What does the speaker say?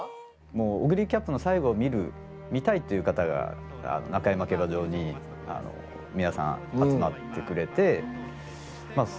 もうオグリキャップの最後を見る見たいっていう方が中山競馬場に皆さん集まってくれてまあ